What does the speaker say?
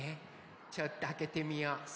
ちょっとあけてみよう。